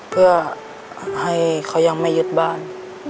เพื่อให้เขายังไม่ยึดบ้าน